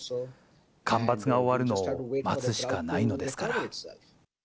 干ばつが終わるのを待つしかないのですから。